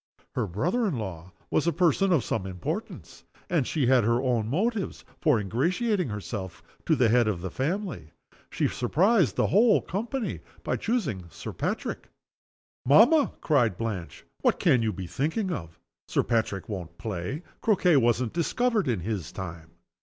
Her brother in law was a person of some importance; and she had her own motives for ingratiating herself with the head of the family. She surprised the whole company by choosing Sir Patrick. "Mamma!" cried Blanche. "What can you be thinking of? Sir Patrick won't play. Croquet wasn't discovered in his time."